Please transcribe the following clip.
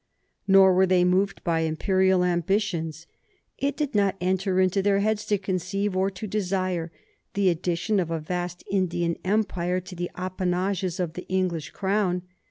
Nor were they moved by imperial ambitions. It did not enter into their heads to conceive or to desire the addition of a vast Indian empire to the appanages of the English crown.